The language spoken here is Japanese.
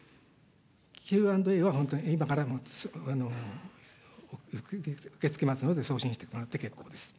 Ｑ＆Ａは今から受け付けますので送信してもらって結構です。